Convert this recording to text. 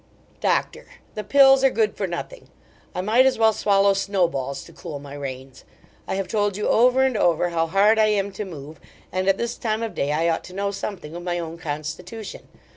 DOCTOR, The pills are good for nothing I might as well swallow snowballs to cool my reins I have told you over and over how hard I am to move; and at this time of day, I ought to know something of my own constitution.